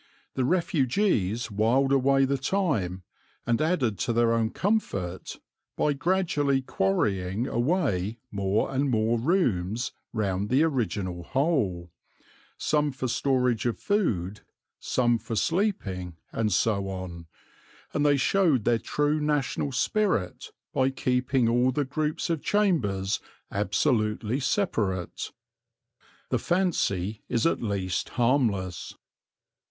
The refugees wiled away the time, and added to their own comfort by gradually quarrying away more and more rooms round the original hole, some for storage of food, some for sleeping, and so on; and they showed their true national spirit by keeping all the groups of chambers absolutely separate. The fancy is at least harmless.